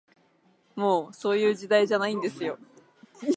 もう、そういう時代じゃないんですよ